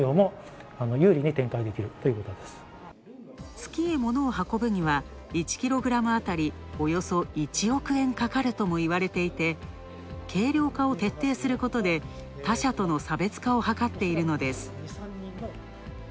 月に物を運ぶには、１キログラムあたりおよそ１億円かかるともいわれていて、軽量化を徹底することで他社との差別化を図っているのです。